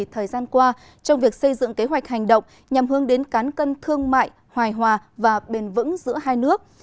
thời gian qua trong việc xây dựng kế hoạch hành động nhằm hướng đến cán cân thương mại hoài hòa và bền vững giữa hai nước